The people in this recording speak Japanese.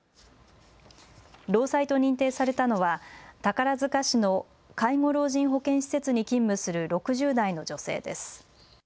労災と認定されたのは宝塚市の介護老人保健施設に勤務する６０代の女性です。